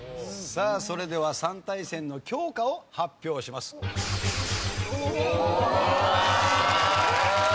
さあそれでは３対戦の教科を発表します。